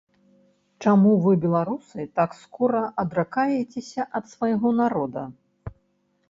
Чаму вы, беларусы, так скора адракаецеся ад свайго народа?